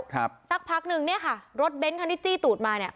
ครับสักพักนึงเนี่ยค่ะรถเบนท์คันที่จี้ตูดมาเนี่ย